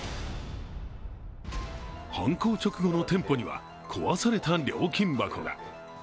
犯行直後の店舗には壊された料金箱が。